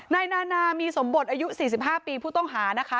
นายนานามีสมบทอายุ๔๕ปีผู้ต้องหานะคะ